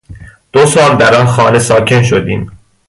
دو سال در آن خانه ساکن شدیم.